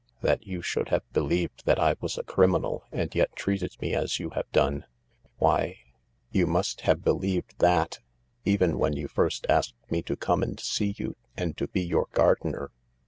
That you should have believed that I was a criminal and yet treated me as you have done — why — you must have believed that, even when you first asked me to come and see you and to be your gardener